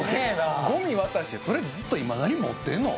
ゴミ渡してそれずっといまだに持ってんの？